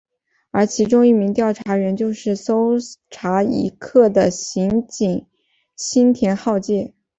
而其中一名调查员就是搜查一课的刑警新田浩介。